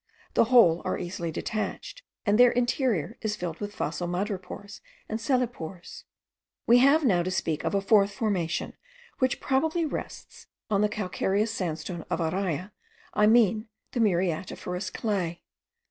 The whole are easily detached, and their interior is filled with fossil madrepores and cellepores. We have now to speak of a fourth formation, which probably rests* on the calcareous sandstone of Araya, I mean the muriatiferous clay.